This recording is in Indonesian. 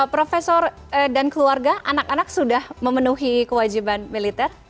profesor dan keluarga anak anak sudah memenuhi kewajiban militer